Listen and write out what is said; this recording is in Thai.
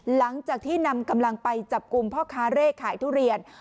หลังจากที่นำกำลังไปจับกลุ่มพ่อค้าเร่ขายทุเรียน